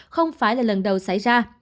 không phải là lần đầu xảy ra